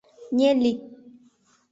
— Нелли...